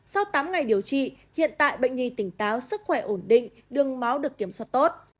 sau tám ngày điều trị hiện tại bệnh nhi tỉnh táo sức khỏe ổn định đường máu được kiểm soát tốt